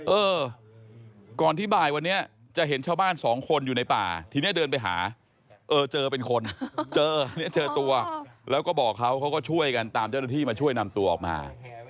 เออก่อนที่บ่ายวันนี้จะเห็นชาวบ้านสองคนอยู่ในป่าทีนี้เดินไปหาเออเจอเป็นคนเจอเนี่ยเจอตัวแล้วก็บอกเขาเขาก็ช่วยกันตามเจ้าหน้าที่มาช่วยนำตัวออกมา